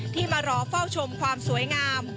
ที่มารอเฝ้าชมความสวยงาม